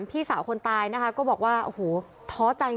เพราะถ้าไม่ฉีดก็ไม่ได้